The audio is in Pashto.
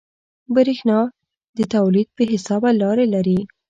برېښنا د تولید بې حسابه لارې لري.